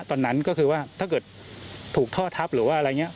ตอนนั้นก็คือว่าถ้าเกิดถูกท่อทับหรือว่าอะไรอย่างนี้